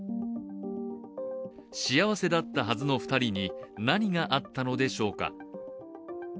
幸せだったはずの２人に何があったのでしょうか。